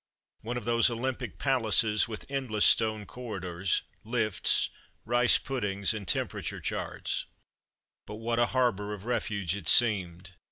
One of those Olympic palaces with endless stone cor ridors, lifts, rice puddings, and temperature charts. ^ From Mud to Mufti But what a harbour of refuge it seemed